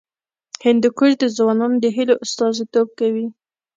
هندوکش د ځوانانو د هیلو استازیتوب کوي.